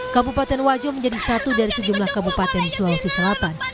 kabupaten wajo menjadi satu dari sejumlah kabupaten di sulawesi selatan